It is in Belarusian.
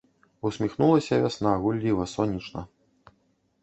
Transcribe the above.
Усміхнулася вясна гулліва, сонечна.